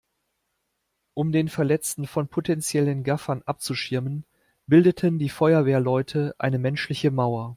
Um den Verletzten von potenziellen Gaffern abzuschirmen, bildeten die Feuerwehrleute eine menschliche Mauer.